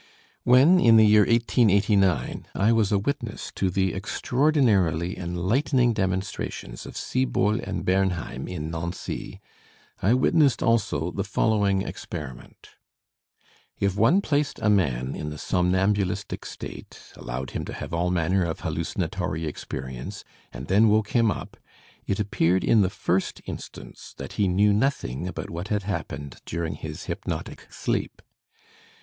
When, in the year 1889, I was a witness to the extraordinarily enlightening demonstrations of Siebault and Bernheim in Nancy, I witnessed also the following experiment: If one placed a man in the somnambulistic state, allowed him to have all manner of hallucinatory experience, and then woke him up, it appeared in the first instance that he knew nothing about what had happened during his hypnotic sleep.